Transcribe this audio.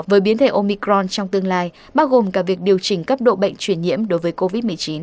với biến thể omicron trong tương lai bao gồm cả việc điều chỉnh cấp độ bệnh truyền nhiễm đối với covid một mươi chín